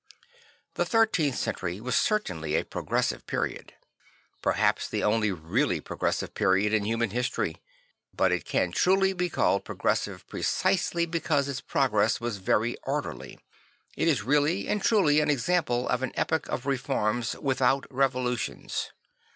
The thirteenth century was certainly a progressive period; perhaps the only really progressive period in human history. But it can truly be called progressive precisely because its progress was very orderly. It is really and truly an example of an epoch of reforms without revolutions.